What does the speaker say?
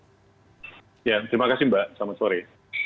ya terima kasih mbak selamat sore